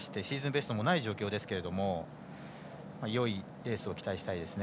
ベストもない状況ですけどよいレースを期待したいです。